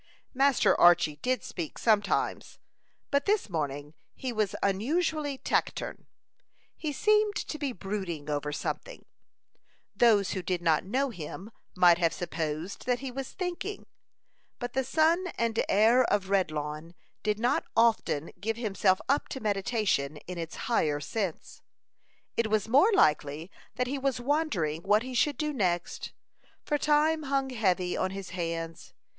Master Archy did speak sometimes, but this morning he was unusually taciturn. He seemed to be brooding over something: those who did not know him might have supposed that he was thinking; but the son and heir of Redlawn did not often give himself up to meditation in its higher sense. It was more likely that he was wondering what he should do next, for time hung heavy on his hands.